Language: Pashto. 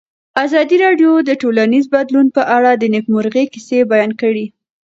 ازادي راډیو د ټولنیز بدلون په اړه د نېکمرغۍ کیسې بیان کړې.